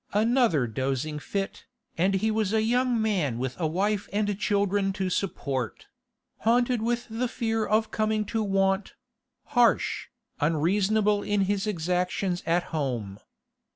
Another dozing fit, and he was a young man with a wife and children to support; haunted with the fear of coming to want; harsh, unreasonable in his exactions at home.